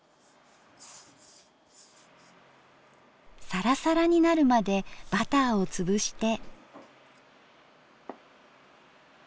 さらさらになるまでバターを潰して。